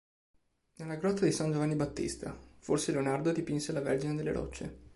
Nella grotta di San Giovanni Battista, forse Leonardo dipinse la Vergine delle Rocce.